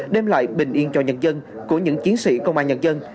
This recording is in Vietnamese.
đem lại bình yên cho nhân dân của những chiến sĩ công an nhân dân